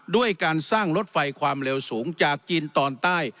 ด้วยการสร้างรถไฟความเร็วสูงจากจีนตอนใต้